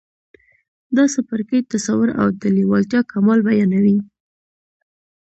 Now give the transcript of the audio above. دا څپرکی تصور او د لېوالتیا کمال بيانوي.